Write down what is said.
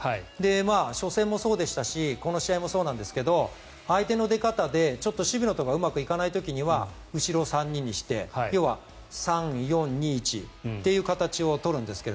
初戦もそうでしたしこの試合もそうなんですが相手の出方でちょっと守備のところがうまくいかない時には後ろを３人にして要は３−４−２−１という形を取るんですが